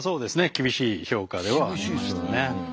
厳しい評価ではありましたね。